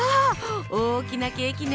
大きなケーキね。